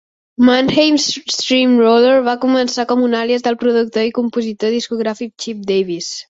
Mannheim Steamroller va començar com un àlies del productor i compositor discogràfic Chip Davis.